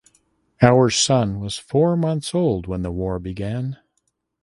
Our son was four months old when the war began.